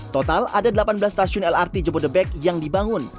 total ada delapan belas stasiun lrt jabodebek yang dibangun